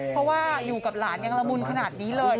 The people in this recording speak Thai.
เพราะว่าอยู่กับหลานยังละมุนขนาดนี้เลย